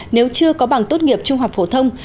nếu chưa có bằng tốt nghiệp trung học phổ thông